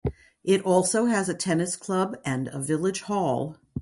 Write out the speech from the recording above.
It also has a tennis club and a village hall.